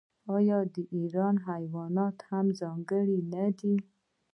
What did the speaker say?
آیا د ایران حیوانات هم ځانګړي نه دي؟